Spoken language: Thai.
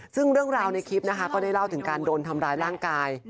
ซึ่งเรื่องราวในคลิปนะคะก็ได้เล่าถึงการโดนทำร้ายร่างกาย